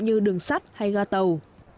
như đường sắt hay ga tàu